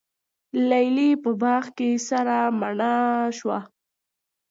لیلی په باغ کي سره مڼه شوه